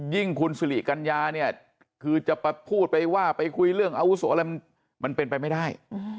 คุณสิริกัญญาเนี่ยคือจะไปพูดไปว่าไปคุยเรื่องอาวุโสอะไรมันเป็นไปไม่ได้